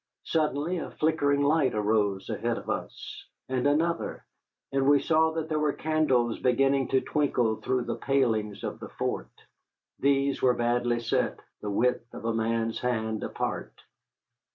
Suddenly a flickering light arose ahead of us, and another, and we saw that they were candles beginning to twinkle through the palings of the fort. These were badly set, the width of a man's hand apart.